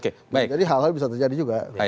jadi hal hal bisa terjadi juga